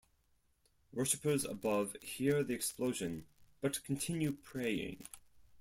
Worshipers above hear the explosion but continue praying.